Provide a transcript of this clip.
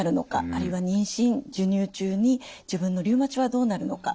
あるいは妊娠授乳中に自分のリウマチはどうなるのか？